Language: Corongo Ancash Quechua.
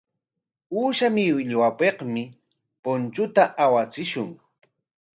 Uusha millwapikmi punchuta awachishun.